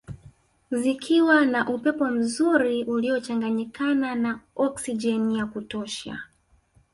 Zikiwa na upepo mzuri uliochanganyikana na okisijeni ya kutosha